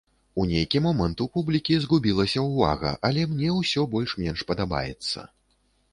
У нейкі момант у публікі згубілася ўвага, але мне ўсё больш-менш падабаецца.